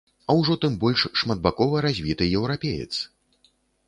А ўжо тым больш шматбакова развіты еўрапеец!